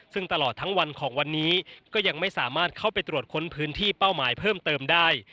ซึ่งตลอดทั้งวันของวันนี้ก็ยังไม่สามารถเข้าไปตรวจค้นพื้นที่เป้าหมายเพิ่มเติมได้